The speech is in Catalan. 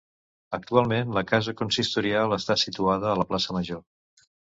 Actualment la Casa Consistorial està situada a la plaça Major.